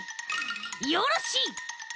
よろしい！